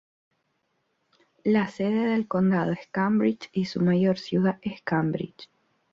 La sede del condado es Cambridge, y su mayor ciudad es Cambridge.